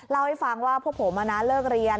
เล่าให้ฟังว่าพวกผมเลิกเรียน